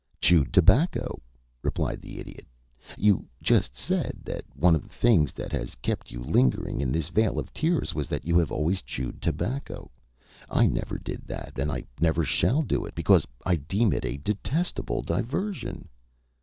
"Chewed tobacco," replied the Idiot. "You just said that one of the things that has kept you lingering in this vale of tears was that you have always chewed tobacco. I never did that, and I never shall do it, because I deem it a detestable diversion."